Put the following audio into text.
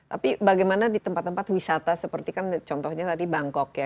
jadi bagaimana di tempat tempat wisata seperti kan contohnya tadi bangkok ya